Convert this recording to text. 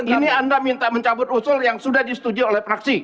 ini anda minta mencabut usul yang sudah disetujui oleh praksi